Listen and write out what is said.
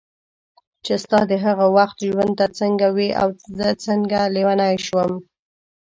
چې ستا د هغه وخت ژوند ته څنګه وې او زه څنګه لیونی وم.